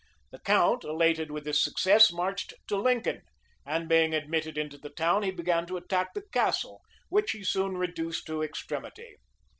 [*] The count, elated with this success, marched to Lincoln; and being admitted into the town, he began to attack the castle, which he soon reduced to extremity.